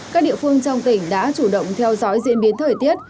các địa phương trong tỉnh đã chủ động theo dõi diễn biến thời tiết